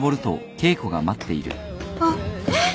あっえっ！？